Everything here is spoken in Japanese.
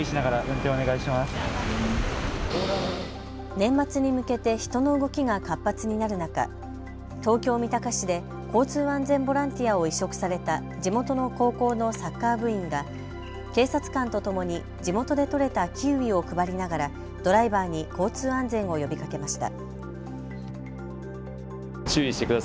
年末に向けて人の動きが活発になる中、東京三鷹市で交通安全ボランティアを委嘱された地元の高校のサッカー部員が警察官とともに地元で取れたキウイを配りながらドライバーに交通安全を呼びかけました。